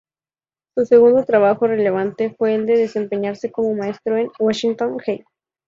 Su segundo trabajo relevante fue el de desempeñarse como maestro en Washington Height.